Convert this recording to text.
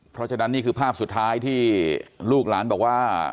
เพราะฉะนั้นนี่คือภาพสุดท้ายที่ลูกหลานบอกว่า